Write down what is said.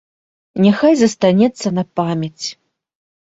Няхай застанецца на памяць!